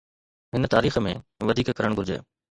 هن تاريخ ۾ وڌيڪ ڪرڻ گهرجي.